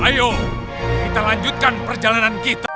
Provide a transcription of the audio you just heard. ayo kita lanjutkan perjalanan kita